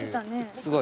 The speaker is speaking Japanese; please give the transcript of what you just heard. すごい。